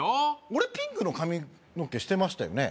俺ピンクの髪の毛してましたよね？